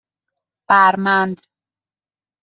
بَرمند